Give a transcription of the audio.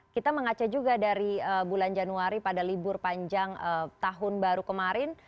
kita mengaca juga dari bulan januari pada libur panjang tahun baru kemarin